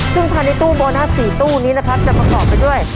ซึ่งทานิดตู้บอนัสสี่ตู้นี้นะครับจะประสอบไปด้วย